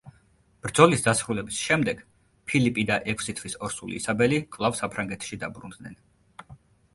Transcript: ბრძოლის დასრულების შემდეგ ფილიპი და ექვსი თვის ორსული ისაბელი კვლავ საფრანგეთში დაბრუნდნენ.